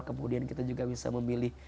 kemudian kita juga bisa memilih